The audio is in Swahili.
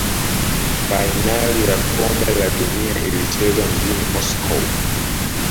fainali ya kombe la dunia ilichezwa mjini moscow